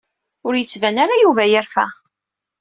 Ur yettban ara Yuba yerfa.